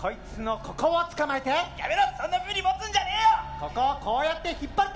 ここをこうやって引っ張ると。